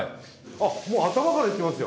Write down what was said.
あもう頭からいってますよ。